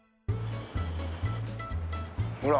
ほら。